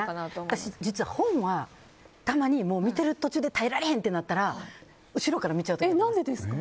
私、実は本はたまに見てる途中で耐えられへんってなったら後ろから見ちゃう時あります。